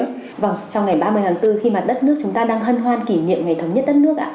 trong ngày ba mươi tháng bốn khi mà đất nước chúng ta đang hân hoan kỷ niệm ngày thống nhất đất nước ạ